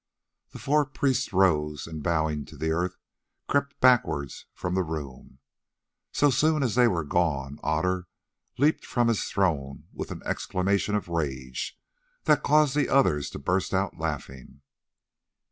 The four priests rose, and bowing to the earth, crept backwards from the room. So soon as they were gone, Otter leaped from his throne with an exclamation of rage that caused the others to burst out laughing.